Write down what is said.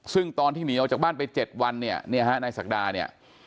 ซึ่งตอนที่หนีออกจากบ้านไป๗วันเนี่ยเนี่ยฮะนายศักดาเนี่ย